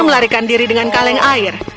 peter menemukannya di kiri dengan kaleng air